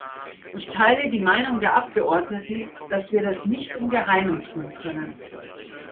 Ich teile die Meinung der Abgeordneten, dass wir das nicht im geheimen tun können.